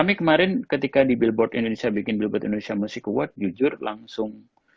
kami kemarin ketika di billboard indonesia bikin billboard indonesia music award jujur langsung